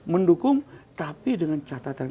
mendukung tapi dengan catatan